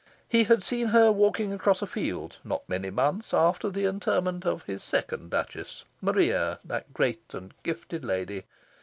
He had seen her walking across a field, not many months after the interment of his second Duchess, Maria, that great and gifted lady.